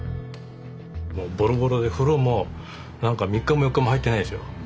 もうボロボロで風呂も３日も４日も入ってないんですよ。